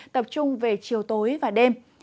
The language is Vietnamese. tập trung về chiều tối và đêm